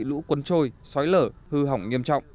lũ quân trôi xói lở hư hỏng nghiêm trọng